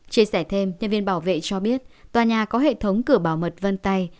chia sẻ thêm nhân viên bảo vệ cho biết tòa nhà có hệ thống cửa bảo mật vân tay